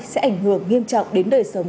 sẽ ảnh hưởng nghiêm trọng đến đời sống